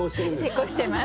成功してます。